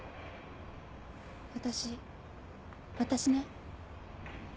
私私ね。